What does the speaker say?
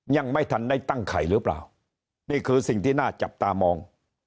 ยังไม่ทันได้ตั้งไข่หรือเปล่านี่คือสิ่งที่น่าจับตามอง